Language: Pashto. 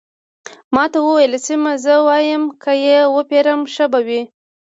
ما ورته وویل: سیمه، زه وایم که يې وپېرم، ښه به وي.